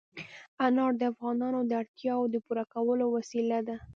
انار د افغانانو د اړتیاوو د پوره کولو وسیله ده.